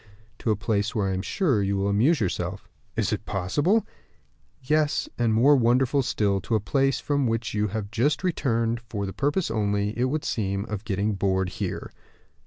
"To a place where I am sure you will amuse yourself." "Is it possible?" "Yes; and more wonderful still, to a place from which you have just returned for the purpose only, it would seem, of getting bored here."